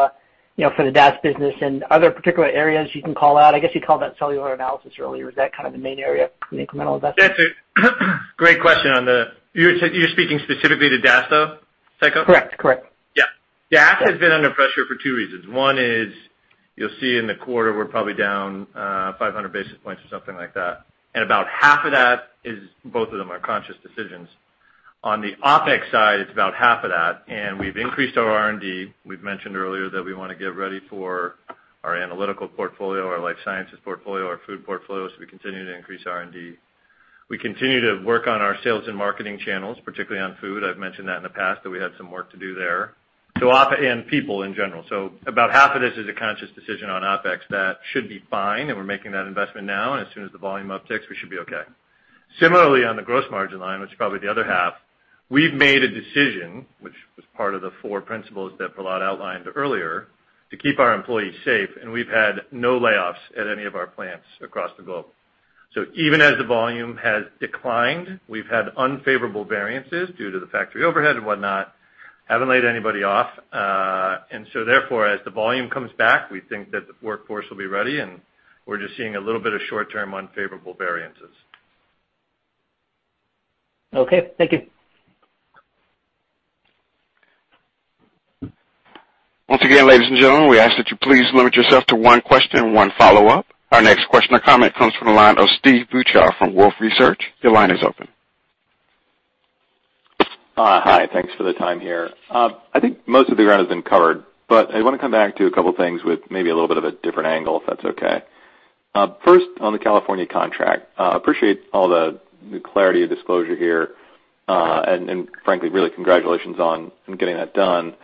for the DAS business and other particular areas you can call out? I guess you called out cellular analysis earlier. Is that kind of the main area of incremental investment? That's a great question. You're speaking specifically to DAS, though, Tycho? Correct. Yeah. DAS has been under pressure for two reasons. One is you'll see in the quarter we're probably down 500 basis points or something like that. About half of that is both of them are conscious decisions. On the OpEx side, it's about half of that, and we've increased our R&D. We've mentioned earlier that we want to get ready for our analytical portfolio, our life sciences portfolio, our food portfolio. We continue to increase R&D. We continue to work on our sales and marketing channels, particularly on food. I've mentioned that in the past that we had some work to do there. People in general. About half of this is a conscious decision on OpEx. That should be fine and we're making that investment now, and as soon as the volume upticks, we should be okay. Similarly, on the gross margin line, which is probably the other half, we've made a decision, which was part of the four principles that Prahlad outlined earlier, to keep our employees safe. We've had no layoffs at any of our plants across the globe. Even as the volume has declined, we've had unfavorable variances due to the factory overhead and whatnot, haven't laid anybody off. Therefore, as the volume comes back, we think that the workforce will be ready, and we're just seeing a little bit of short-term unfavorable variances. Okay, thank you. Once again, ladies and gentlemen, we ask that you please limit yourself to one question and one follow-up. Our next question or comment comes from the line of Steve Beuchaw from Wolfe Research. Your line is open. Hi. Thanks for the time here. I think most of the ground has been covered, but I want to come back to a couple things with maybe a little bit of a different angle, if that's okay. First, on the California contract. Appreciate all the clarity of disclosure here, and frankly, really congratulations on getting that done.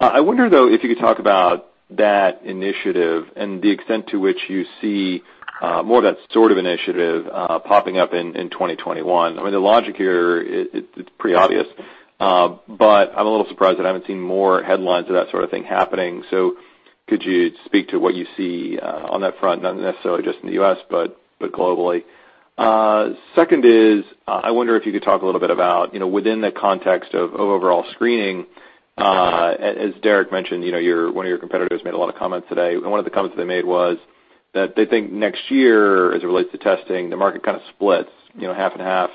I wonder, though, if you could talk about that initiative and the extent to which you see more of that sort of initiative popping up in 2021. I mean, the logic here, it's pretty obvious. I'm a little surprised that I haven't seen more headlines of that sort of thing happening. Could you speak to what you see on that front, not necessarily just in the U.S., but globally? Second is, I wonder if you could talk a little bit about within the context of overall screening, as Derik mentioned, one of your competitors made a lot of comments today, and one of the comments they made was that they think next year, as it relates to testing, the market kind of splits half and half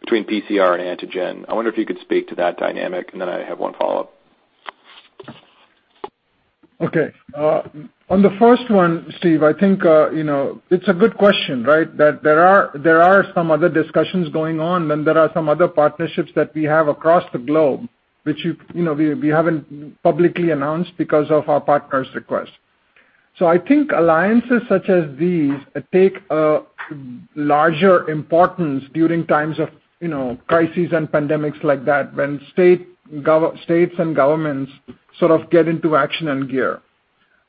between PCR and antigen. I wonder if you could speak to that dynamic, then I have one follow-up. Okay. On the first one, Steve, I think it's a good question, right? That there are some other discussions going on, and there are some other partnerships that we have across the globe, which we haven't publicly announced because of our partners' request. I think alliances such as these take a larger importance during times of crises and pandemics like that when states and governments sort of get into action and gear.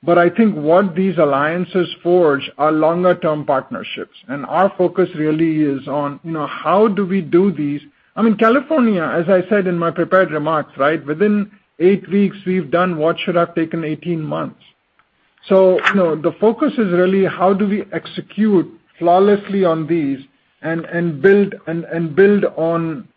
I think what these alliances forge are longer-term partnerships, and our focus really is on how do we do these. I mean, California, as I said in my prepared remarks, within eight weeks, we've done what should have taken 18 months. The focus is really how do we execute flawlessly on these and build on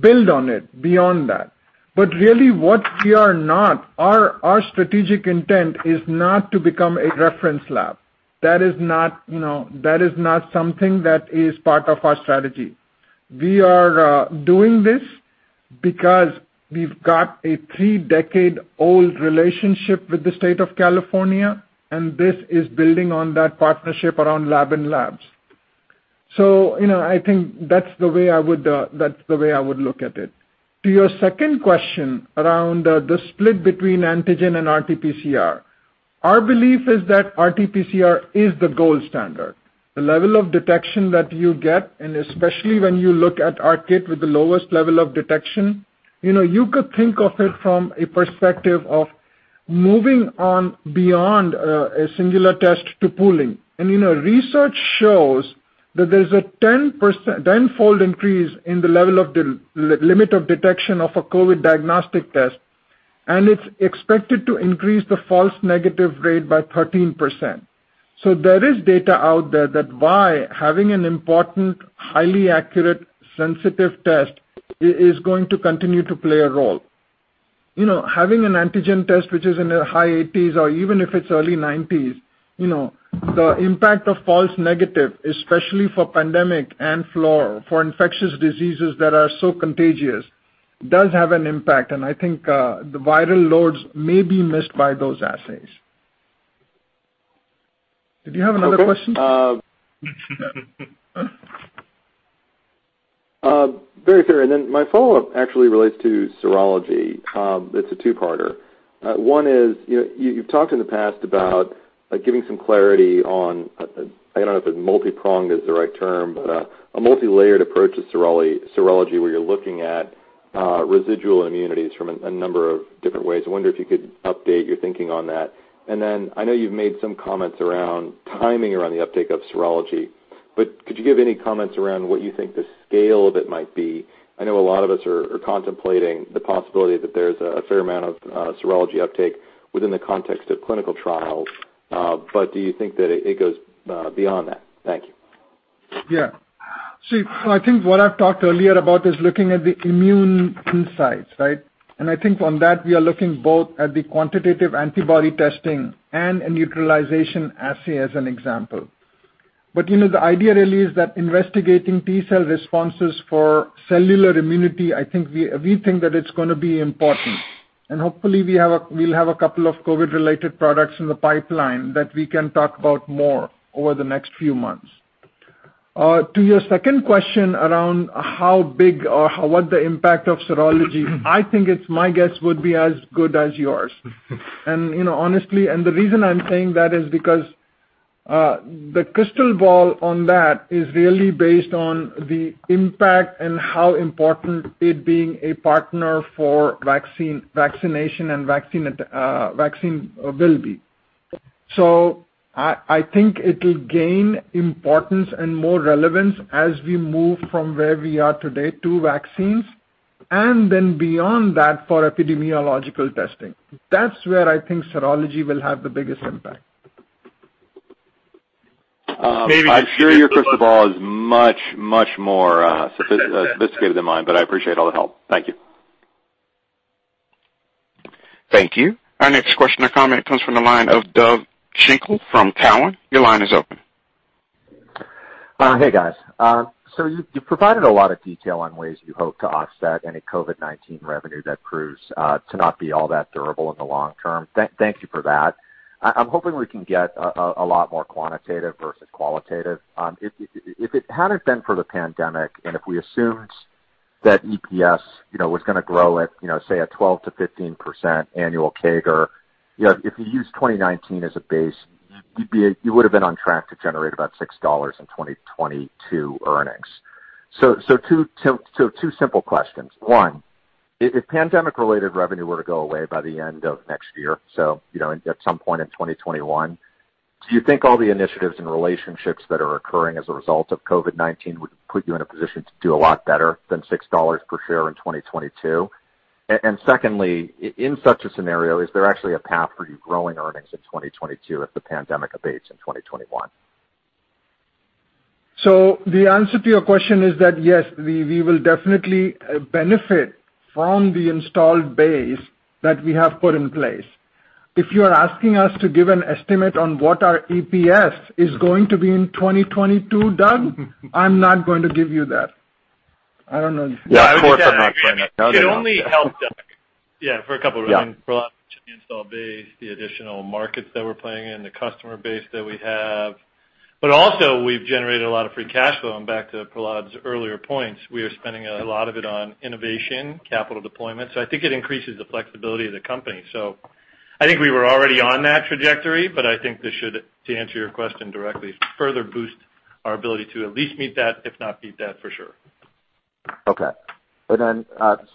it beyond that. Really what we are not, our strategic intent is not to become a reference lab. That is not something that is part of our strategy. We are doing this because we've got a three-decade-old relationship with the state of California. This is building on that partnership around lab-in-a-lab. I think that's the way I would look at it. To your second question around the split between antigen and RT-PCR. Our belief is that RT-PCR is the gold standard. The level of detection that you get, and especially when you look at our kit with the lowest level of detection, you could think of it from a perspective of moving on beyond a singular test to pooling. Research shows that there's a 10-fold increase in the limit of detection of a COVID-19 diagnostic test, and it's expected to increase the false negative rate by 13%. There is data out there that why having an important, highly accurate, sensitive test is going to continue to play a role. Having an antigen test which is in the high 80%s or even if it's early 90%s, the impact of false negative, especially for pandemic and for infectious diseases that are so contagious, does have an impact, and I think the viral loads may be missed by those assays. Did you have another question? Okay. Very fair. My follow-up actually relates to serology. It's a two-parter. One is, you've talked in the past about giving some clarity on, I don't know if multi-pronged is the right term, but a multi-layered approach to serology, where you're looking at residual immunities from a number of different ways. I wonder if you could update your thinking on that. I know you've made some comments around timing around the uptake of serology, but could you give any comments around what you think the scale of it might be? I know a lot of us are contemplating the possibility that there's a fair amount of serology uptake within the context of clinical trials. Do you think that it goes beyond that? Thank you. Yeah. I think what I've talked earlier about is looking at the immune insights, right? I think on that, we are looking both at the quantitative antibody testing and a neutralization assay, as an example. The idea really is that investigating T-cell responses for cellular immunity, we think that it's going to be important, and hopefully we'll have two COVID-related products in the pipeline that we can talk about more over the next few months. To your second question around how big or what the impact of serology, I think it's my guess would be as good as yours. Honestly, the reason I'm saying that is because the crystal ball on that is really based on the impact and how important it being a partner for vaccination and vaccine will be. I think it'll gain importance and more relevance as we move from where we are today to vaccines, and then beyond that, for epidemiological testing. That's where I think serology will have the biggest impact. I'm sure your crystal ball is much, much more sophisticated than mine, but I appreciate all the help. Thank you. Thank you. Our next question or comment comes from the line of Doug Schenkel from Cowen. Your line is open. Hey, guys. You've provided a lot of detail on ways you hope to offset any COVID-19 revenue that proves to not be all that durable in the long term. Thank you for that. I'm hoping we can get a lot more quantitative versus qualitative. If it hadn't been for the pandemic, and if we assumed that EPS was going to grow at, say, a 12%-15% annual CAGR, if you use 2019 as a base, you would've been on track to generate about $6 in 2022 earnings. Two simple questions. One, if pandemic-related revenue were to go away by the end of next year, so, at some point in 2021, do you think all the initiatives and relationships that are occurring as a result of COVID-19 would put you in a position to do a lot better than $6 per share in 2022? Secondly, in such a scenario, is there actually a path for you growing earnings in 2022 if the pandemic abates in 2021? The answer to your question is that, yes, we will definitely benefit from the installed base that we have put in place. If you are asking us to give an estimate on what our EPS is going to be in 2022, Doug, I'm not going to give you that. Yeah, of course I'm not saying that. No. It only helps, Doug, yeah, for a couple of reasons. Yeah. Prahlad mentioned the install base, the additional markets that we're playing in, the customer base that we have, but also, we've generated a lot of free cash flow. Back to Prahlad's earlier points, we are spending a lot of it on innovation, capital deployment. I think it increases the flexibility of the company. I think we were already on that trajectory, but I think this should, to answer your question directly, further boost our ability to at least meet that, if not beat that, for sure. Okay.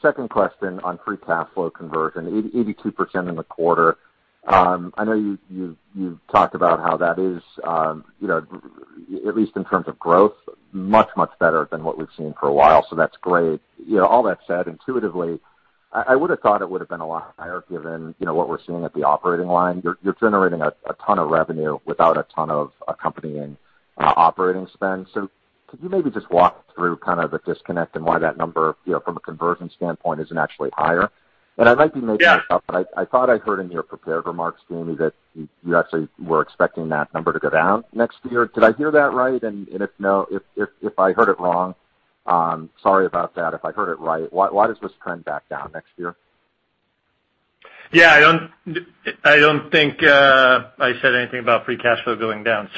Second question on free cash flow conversion, 82% in the quarter. I know you've talked about how that is, at least in terms of growth, much better than what we've seen for a while. That's great. All that said, intuitively, I would've thought it would've been a lot higher given what we're seeing at the operating line. You're generating a ton of revenue without a ton of accompanying operating spend. Could you maybe just walk through kind of the disconnect and why that number, from a conversion standpoint, isn't actually higher? I might be making this up, but I thought I heard in your prepared remarks, Jamey, that you actually were expecting that number to go down next year. Did I hear that right? If no, if I heard it wrong, sorry about that. If I heard it right, why does this trend back down next year? Yeah, I don't think I said anything about free cash flow going down.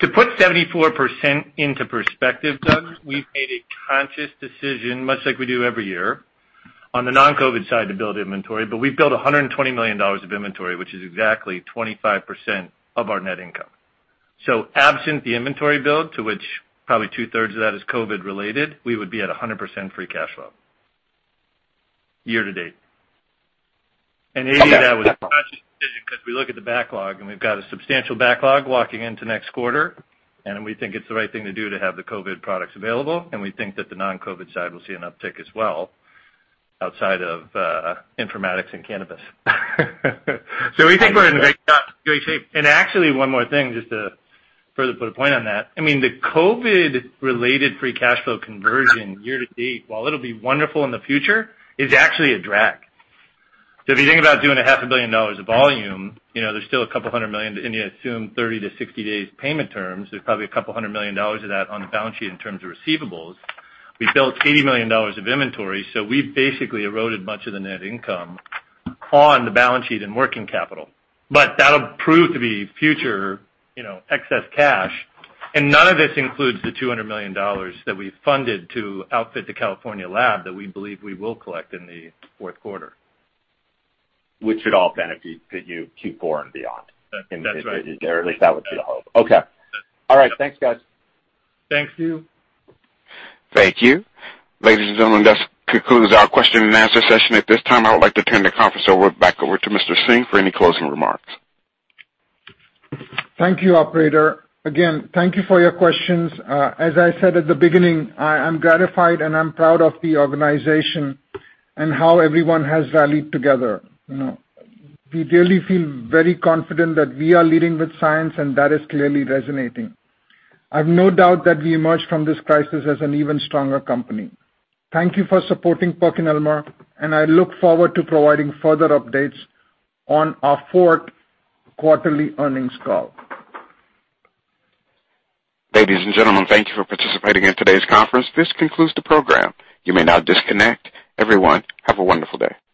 To put 74% into perspective, Doug, we've made a conscious decision, much like we do every year, on the non-COVID side to build inventory, but we've built $120 million of inventory, which is exactly 25% of our net income. Absent the inventory build, to which probably 2/3 of that is COVID-related, we would be at 100% free cash flow year-to-date. Okay. 80% of that was a conscious decision because we look at the backlog, and we've got a substantial backlog walking into next quarter, and we think it's the right thing to do to have the COVID products available, and we think that the non-COVID side will see an uptick as well, outside of informatics and cannabis. We think we're in great shape. Actually, one more thing, just to further put a point on that. The COVID-related free cash flow conversion year-to-date, while it'll be wonderful in the future, is actually a drag. If you think about doing a $500 million of volume, there's still a couple of hundred million, and you assume 30-60 days payment terms, there's probably a couple of hundred million dollars of that on the balance sheet in terms of receivables. We built $80 million of inventory, we've basically eroded much of the net income on the balance sheet and working capital. That'll prove to be future excess cash, none of this includes the $200 million that we funded to outfit the California lab that we believe we will collect in the fourth quarter. Which should all benefit you Q4 and beyond. That's right. At least that would be the hope. Okay. All right. Thanks, guys. Thank you. Thank you. Ladies and gentlemen, this concludes our question and answer session. At this time, I would like to turn the conference back over to Mr. Singh for any closing remarks. Thank you, operator. Again, thank you for your questions. As I said at the beginning, I'm gratified and I'm proud of the organization and how everyone has rallied together. We really feel very confident that we are leading with science, and that is clearly resonating. I've no doubt that we emerged from this crisis as an even stronger company. Thank you for supporting PerkinElmer, and I look forward to providing further updates on our fourth quarterly earnings call. Ladies and gentlemen, thank you for participating in today's conference. This concludes the program. You may now disconnect. Everyone, have a wonderful day.